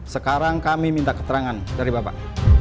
sekarang kami minta keterangan dari bapak